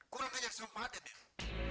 kurang tanya yang serem paham ya dewa